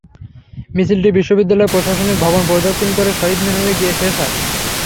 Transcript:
মিছিলটি বিশ্ববিদ্যালয়ের প্রশাসনিক ভবন প্রদক্ষিণ করে শহীদ মিনারে গিয়ে শেষ হয়।